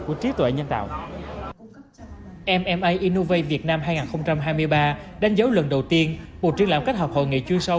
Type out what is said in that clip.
mma innovate việt nam hai nghìn hai mươi ba đánh dấu lần đầu tiên bộ truyền lãm kết hợp hội nghị chuyên sâu